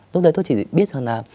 lúc đấy tôi chỉ biết rằng là